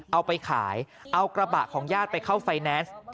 เอาไปขายเอากระบะของญาติไปเข้าไฟแนนซ์